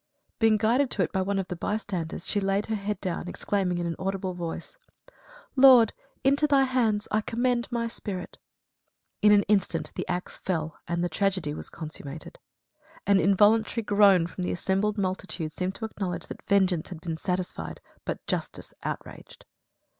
Being guided to it by one of the bystanders, she laid her head down, exclaiming, in an audible voice: "Lord, into thy hands I commend my spirit." In an instant the axe fell, and the tragedy was consummated. An involuntary groan from the assembled multitude seemed to acknowledge that vengeance had been satisfied, but justice outraged.